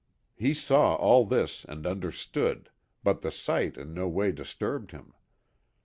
He saw all this and understood, but the sight in no way disturbed him.